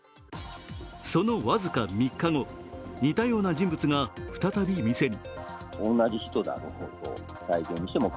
その僅か３日後似たような人物が再び店に。